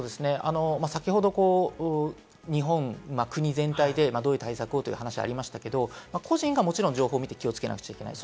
先ほど国全体でどういう対策をという話がありましたが、個人が情報を見て、気をつけなくちゃいけない。